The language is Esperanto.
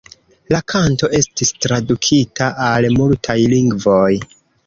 La kanto estis tradukita al multaj lingvoj.